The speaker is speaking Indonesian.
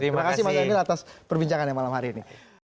terima kasih mas emel atas perbincangan yang malam hari ini